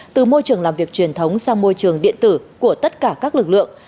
từ môi trường làm việc truyền thống sang môi trường điện tử của tất cả các lực lượng